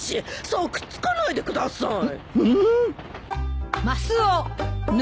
そうくっつかないでください！